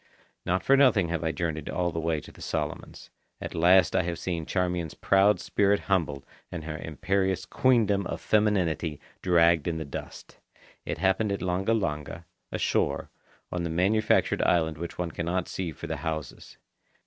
Not for nothing have I journeyed all the way to the Solomons. At last I have seen Charmian's proud spirit humbled and her imperious queendom of femininity dragged in the dust. It happened at Langa Langa, ashore, on the manufactured island which one cannot see for the houses.